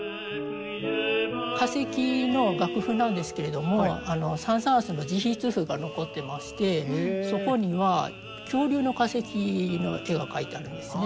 「化石」の楽譜なんですけれどもサン・サーンスの直筆譜が残ってましてそこには恐竜の化石の絵が描いてあるんですね。